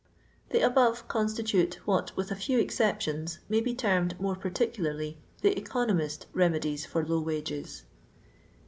The above constitute what, with a few excep tions, may be termed, more particularly, the " eco nomist" remedies for low wages.